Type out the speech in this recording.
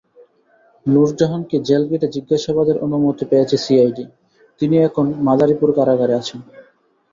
নুরজাহানকে জেলগেটে জিজ্ঞাসাবাদের অনুমতি পেয়েছে সিআইডি, তিনি এখন মাদারীপুর কারাগারে আছেন।